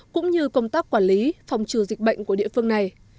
cũng như công tác quản lý phòng trừ dịch bệnh của địa phương này